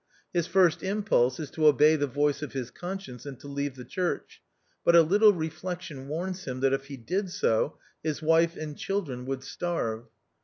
His first impulse is to obey the voice of his con science, and to leave the church, but a little reflection warns him that if he did so his wife and children would starve.